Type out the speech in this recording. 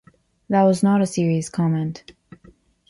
That was not a serious comment.